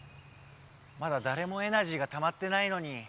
まだだれもエナジーがたまってないのに。